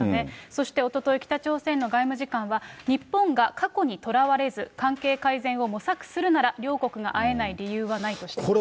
そしておととい、北朝鮮の外務次官は、日本が過去にとらわれず、関係改善を模索するなら、両国が会えない理由はないとしています。